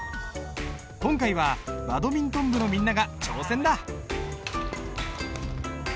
今回はバドミントン部のみんなが挑戦だ。